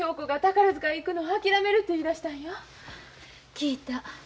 聞いた。